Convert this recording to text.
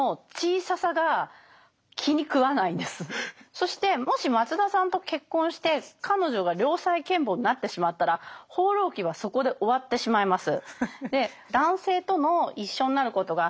そしてもし松田さんと結婚して彼女が良妻賢母になってしまったら「放浪記」はそこで終わってしまいます。